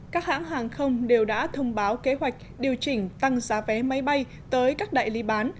các hãng hàng không đều đã thông báo kế hoạch điều chỉnh tăng giá vé máy bay tới các đại lý bán